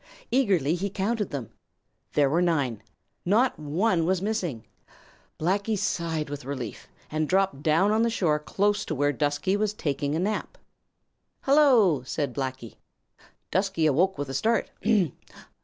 Eagerly he counted them. There were nine. Not one was missing. Blacky sighed with relief and dropped down on the shore close to where Dusky was taking a nap. "Hello!" said Blacky. Dusky awoke with a start.